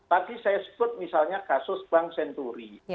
tadi saya sebut misalnya kasus bank senturi